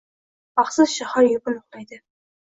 Baxtsiz shahar yupun uxlaydi